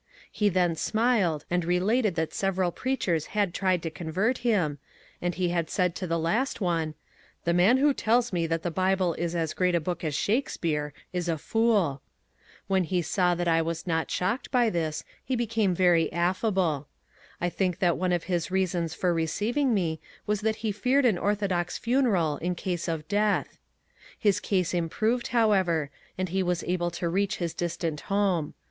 He then smiled and related that several preachers had tried to convert him, and he had said to the last one, *^ The man who tells me that the Bible is as great a book as Shakespeare is a fool." When he saw that I was not shocked by this he became very affable. I think that one of his reasons for re ceiving me was that he feared an orthodox funeral in case of death. His case improved, however, and he was able to reach his distant home.